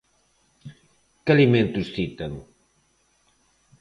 Que alimentos citan?